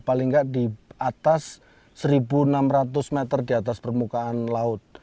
paling tidak di atas satu enam ratus meter di atas permukaan laut